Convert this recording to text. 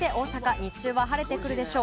日中は晴れてくるでしょう。